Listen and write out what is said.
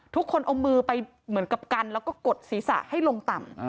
ทุกคนเอามือไปเหมือนกับกันแล้วก็กดศีรษะให้ลงต่ำ